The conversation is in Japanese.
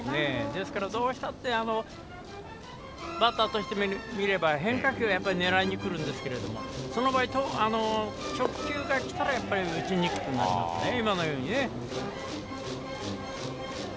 ですから、どうしたってバッターとしてみれば変化球を狙いにくるんですけどその場合、直球が力いっぱい来たらやっぱり打ちにくくなりますね。